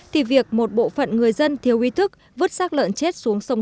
thì việc một bộ phận người dân thiếu uy thức vứt sạc lợn chết xuống sông